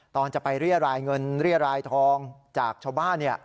ตอนจะไปเรียรายเงินเรียรายทองจากชาวบ้าน